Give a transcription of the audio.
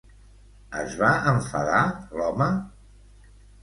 Es va enfadar, l'home?